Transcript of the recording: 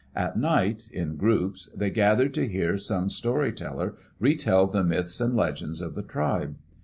At night, in groups, they gathered to hear some story teller retell the myths and legends of the tribe.